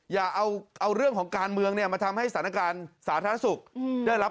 อย่าเอาเรื่องของการเมืองเนี่ยมาทำให้สถานการณ์สาธารณสุขได้รับ